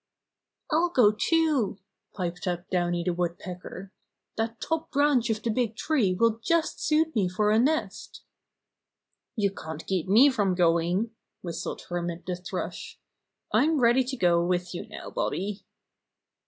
"I'll go too," piped up Downy the Wood pecker. "That top branch of the big tree will just suit me for a nest" "You can't keep me from going," whistled Hermit the Thrush. "I'm ready to go with you now, Bobby."